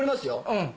うん。